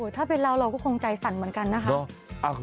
ถ้าเป็นเราเราก็คงใจสั่นเหมือนกันนะคะ